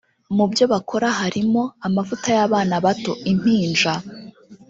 Mu byo bakora harimo ; amavuta y’Abana bato (impinja)